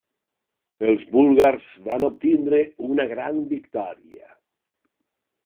Els búlgars van obtindre una gran victòria.